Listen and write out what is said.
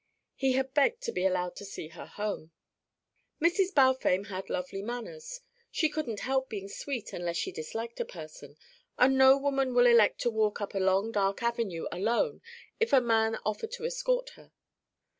He had begged to be allowed to see her home. Mrs. Balfame had lovely manners, she couldn't help being sweet unless she disliked a person, and no woman will elect to walk up a long dark avenue alone if a man offer to escort her.